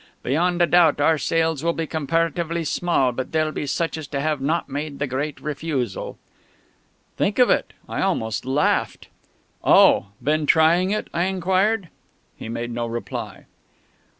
Beyond a doubt our sales will be comparatively small, but they'll be to such as have not made the great refusal." Think of it!... I almost laughed. "Oh!... Been trying it?" I inquired. He made no reply.